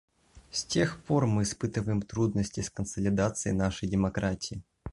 С тех пор мы испытываем трудности с консолидацией нашей демократии.